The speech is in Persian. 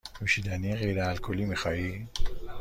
نوشیدنی غیر الکلی می خواهی؟